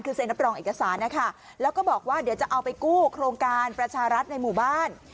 คือเซ็นรับรองเอกสารนะคะแล้วก็บอกว่าเดี๋ยวจะเอาไปกู้โครงการประชารัฐในหมู่บ้าน